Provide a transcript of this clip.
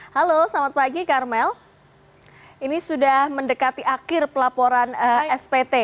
halo selamat pagi karmel ini sudah mendekati akhir pelaporan spt